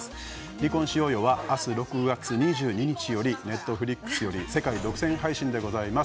「離婚しようよ」は明日６月２２日よりＮｅｔｆｌｉｘにて世界独占配信でございます。